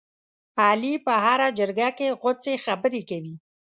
علي په هره جرګه کې غوڅې خبرې کوي.